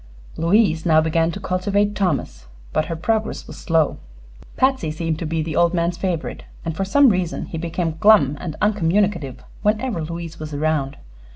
Louise now began to cultivate Thomas, but her progress was slow. Patsy seemed to be the old man's favorite, and for some reason he became glum and uncommunicative whenever Louise was around.